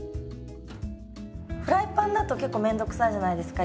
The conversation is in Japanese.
フライパンだと結構面倒くさいじゃないですか。